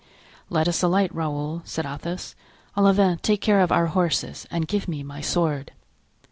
"Let us alight; Raoul," said Athos. "Olivain, take care of our horses and give me my sword."